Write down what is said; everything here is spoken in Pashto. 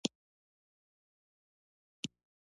ځینې کلامي تمایلونه د تنزیه په اخر سر کې وو.